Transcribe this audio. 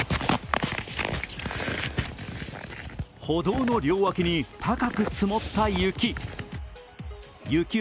歩道の両脇に高く積もった雪。